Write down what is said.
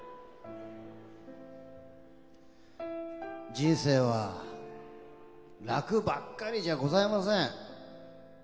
人生は楽ばっかりじゃございません。